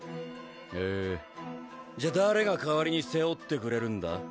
へえじゃあ誰が代わりに背負ってくれるんだ？